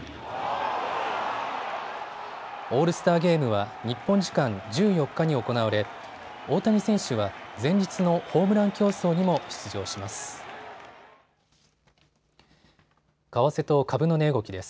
オールスターゲームは日本時間１４日に行われ大谷選手は前日のホームラン競争にも出場します。